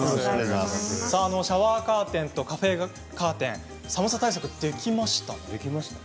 シャワーカーテンとカフェカーテン寒さ対策できましたね。